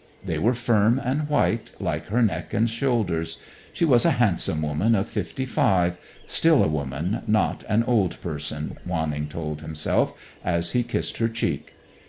They were firm and white, like her neck and shoulders. She was a handsome woman of fifty five, still a woman, not an old person, Wanning told himself, as he kissed her cheek.